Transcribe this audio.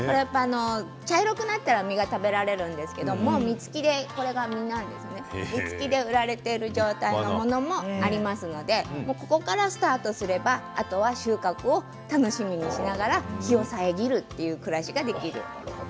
茶色くなったら実が食べられるんですけれども実付きで売られている状態のものもありますのでここからスタートすればあとは収穫を楽しみにしながら日を遮るという暮らしができる。